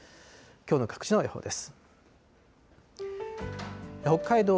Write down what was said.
きょうの各地の予報です。